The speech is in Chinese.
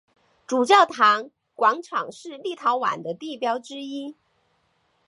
主教座堂广场是立陶宛的地标之一。